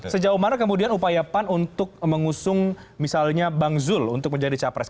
sejauh mana kemudian upaya pan untuk mengusung misalnya bang zul untuk menjadi capres